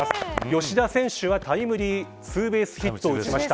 吉田選手はタイムリーツーベースヒットを打ちました。